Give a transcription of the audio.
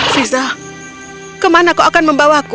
fiza kemana kau akan membawaku